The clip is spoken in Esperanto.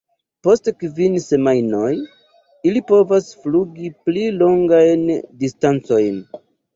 Post kvin semajnoj ili povas flugi pli longajn distancojn.